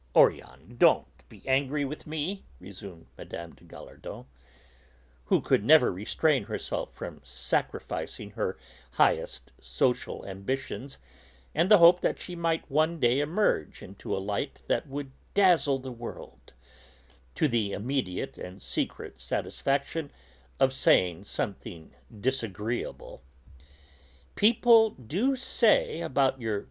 "Oriane, don't be angry with me," resumed Mme. de Gallardon, who could never restrain herself from sacrificing her highest social ambitions, and the hope that she might one day emerge into a light that would dazzle the world, to the immediate and secret satisfaction of saying something disagreeable, "people do say about your M.